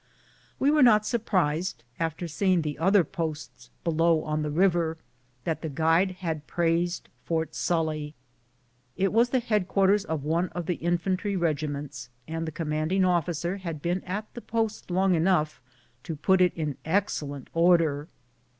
We were not surprised, after seeing the other posts below on the river, that the guide had praised Fort Sully. It was the head quarters of one of the infantry regiments, and the commanding officer had been at the post long enough to put it in excellent order.